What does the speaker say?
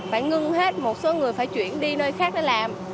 phải ngưng hết một số người phải chuyển đi nơi khác để làm